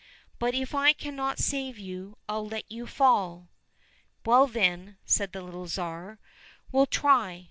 " But if I cannot save you, I'll let you fall."— ' Well, then," said the little Tsar, " we'll try.